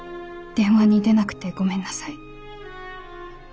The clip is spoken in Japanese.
「電話に出なくてごめんなさい。